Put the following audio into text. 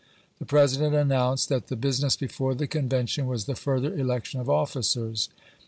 The President announced that the business before the Convention was the further election of officers.